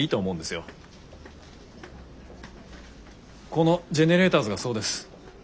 このジェネレーターズがそうです。